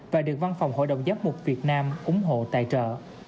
và được văn phòng hội đồng giám mục việt nam ủng hộ tài trợ